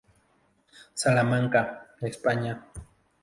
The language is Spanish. Salamanca, España.